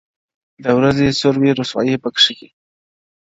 د ورځي سور وي رسوایي پکښي,